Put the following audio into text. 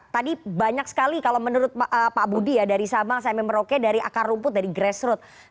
tadi banyak sekali kalau menurut pak budi ya dari sabang sampai merauke dari akar rumput dari grassroot